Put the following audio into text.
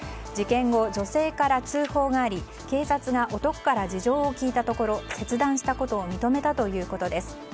事件後、女性から通報があり警察が男から事情を聴いたところ切断したことを認めたということです。